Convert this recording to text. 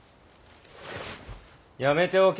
やめておけ。